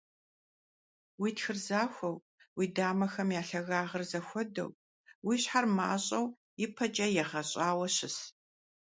Уи тхыр захуэу, уи дамэхэм я лъагагъыр зэхуэдэу, уи щхьэр мащӀэу ипэкӀэ егъэщӀауэ щыс.